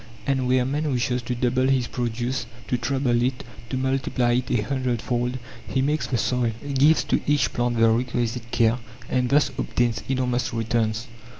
And where man wishes to double his produce, to treble it, to multiply it a hundred fold, he makes the soil, gives to each plant the requisite care, and thus obtains enormous returns.